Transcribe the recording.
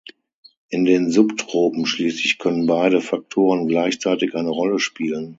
In den Subtropen schließlich können beide Faktoren gleichzeitig eine Rolle spielen.